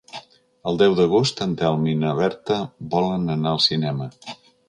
El deu d'agost en Telm i na Berta volen anar al cinema.